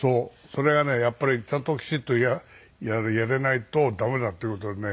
それがねやっぱりちゃんときちっとやれないと駄目だっていう事でね。